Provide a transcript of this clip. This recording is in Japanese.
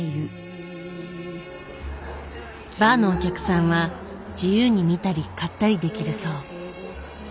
バーのお客さんは自由に見たり買ったりできるそう。